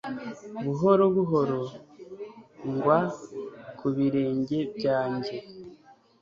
Buhoro buhoro ngwa ku birenge byanjye